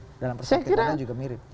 saya kira dalam persyakit kita juga mirip